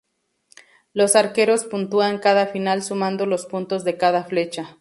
Los arqueros puntúan cada final sumando los puntos de cada flecha.